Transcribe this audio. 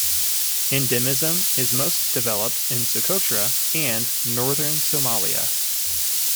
Endemism is most developed in Socotra and northern Somalia.